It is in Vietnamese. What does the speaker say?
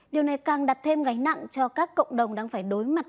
điều này càng đặt thêm gánh nặng cho các cộng đồng đang phải đối mặt